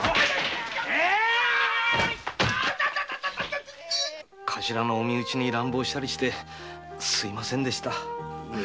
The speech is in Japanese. えーい‼頭のお身内に乱暴したりしてすみませんでした。